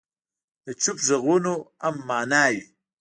د چوپ ږغونو هم معنی وي.